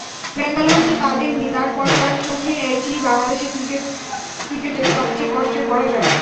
বেঙ্গালুরুতে কাঁদেননি, তার পরও তাঁর চোখে এটিই বাংলাদেশের ক্রিকেটে সবচেয়ে কষ্টের পরাজয়।